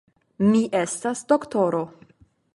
Mi estas doktoro.